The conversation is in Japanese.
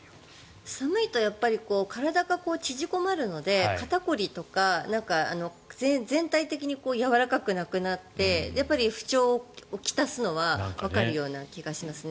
寒いとやっぱり体が縮こまるので肩凝りとか全体的にやわらかくなくなってやっぱり不調をきたすのはわかるような気がしますね。